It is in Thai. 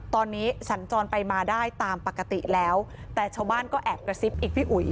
ตอนนี้สัญจรไปมาได้ตามปกติแล้วแต่ชาวบ้านก็แอบกระซิบอีกพี่อุ๋ย